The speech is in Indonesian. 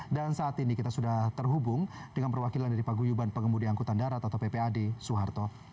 dan saat ini kita sudah terhubung dengan perwakilan dari paguyuban pengemudi angkutan darat atau ppad suharto